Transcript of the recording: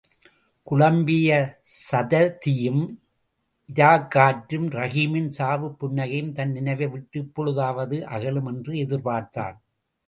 குழம்பிய சததியும், இராக்காற்றும், ரஹீமின் சாவுப் புன்னகையும் தன் நினைவைவிட்டு இப்பொழுதாவது அகலும் என்று எதிர்பார்த்தான்.